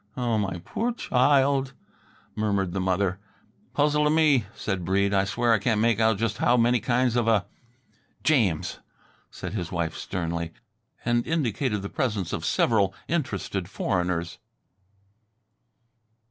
"Oh, my poor child," murmured the mother. "Puzzle t' me," said Breede. "I swear I can't make out just how many kinds of a " "James!" said his wife sternly, and indicated the presence of several interested foreigners.